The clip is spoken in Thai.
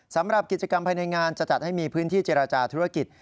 สำหรับกิจกรรมภายในงานจะจัดให้มีพื้นที่เจรจาธุรกิจ